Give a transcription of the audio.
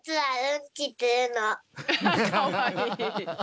かわいい！